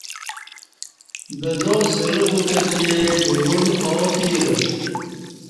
بدازرہ ووتہ تے بگول آو پیلہ